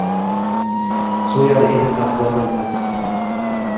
So’yar edi taqvodan mast